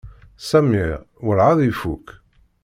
Samir werɛad ifuk.